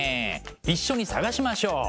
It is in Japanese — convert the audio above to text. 一緒に探しましょう！